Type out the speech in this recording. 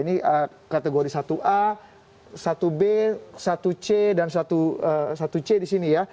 ini kategori satu a satu b satu c dan satu c di sini ya